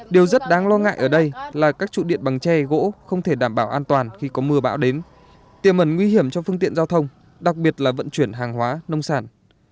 điều rất đáng lo ngại ở đây là các trụ điện bằng tre gỗ không thể đảm bảo an toàn khi có mưa bão đến tiềm ẩn nguy hiểm cho phương tiện giao thông đặc biệt là vận chuyển hàng hóa nông sản